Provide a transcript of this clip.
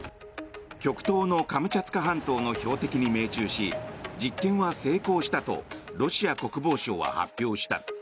極東のカムチャツカ半島の標的に命中し実験は成功したとロシア国防省は発表した。